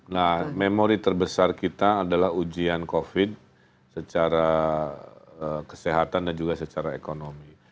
nah memori terbesar kita adalah ujian covid secara kesehatan dan juga secara ekonomi